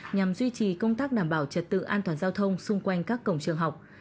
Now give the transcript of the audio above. nhằm duy trì công tác đảm bảo trật tự an toàn giao thông xung quanh các cổng trường học